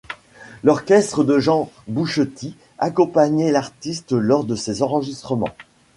L'orchestre de Jean Bouchety accompagnait l'artiste lors de ses enregistrements.